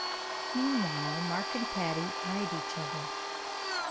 Meanwhile Mark and Patty eyed each other.